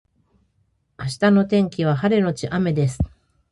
明日の天気は晴れのち雨です